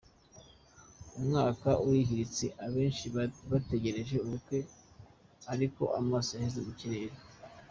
Umwaka urihiritse benshi bagitegereje ubu bukwe ariko amaso yaheze mu kirere.